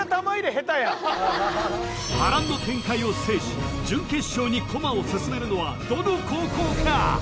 波乱の展開を制し準決勝にコマを進めるのはどの高校か？